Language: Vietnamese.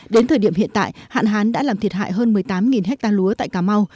đến thời điểm hiện tại hạn hán đã làm thiệt hại hơn một mươi tám ha lúa tại cà mau